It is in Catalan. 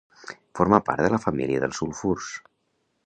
Forma part de la família dels sulfurs.